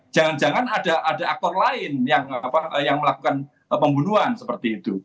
jangan jangan ada aktor lain yang melakukan pembunuhan seperti itu